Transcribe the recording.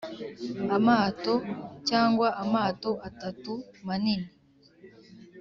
amato cyangwa amato atatu manini;